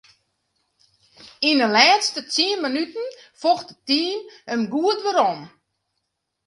Yn 'e lêste tsien minuten focht it team him goed werom.